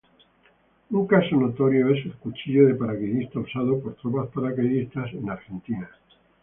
Un caso notorio es el cuchillo de paracaidista usado por tropas paracaidistas en Argentina.